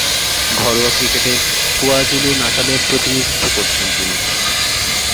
ঘরোয়া ক্রিকেটে কোয়াজুলু-নাটালের প্রতিনিধিত্ব করছেন তিনি।